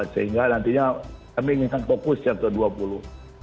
sehingga nantinya kami inginkan fokus yang ke dua puluh